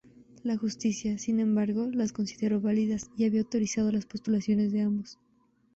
La justicia, sin embargo las consideró válidas y había autorizado las postulaciones de ambos.